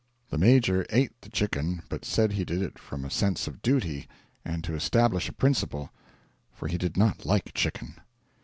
The Major ate the chicken, but said he did it from a sense of duty and to establish a principle, for he did not like chicken.